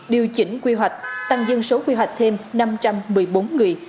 điều chỉnh quy hoạch tăng dân số quy hoạch thêm năm trăm một mươi bốn người